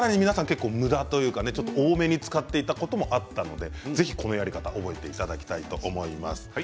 結構皆さん多めに使っていることもあったのでぜひこのやり方、覚えていただければと思います。